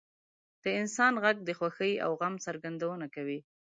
• د انسان ږغ د خوښۍ او غم څرګندونه کوي.